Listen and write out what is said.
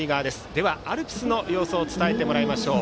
では、アルプスの様子を伝えてもらいましょう。